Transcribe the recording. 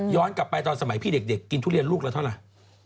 กลับไปตอนสมัยพี่เด็กกินทุเรียนลูกละเท่าไหร่